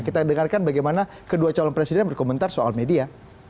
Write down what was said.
kita dengarkan bagaimana kedua calon presiden berkomentar soal media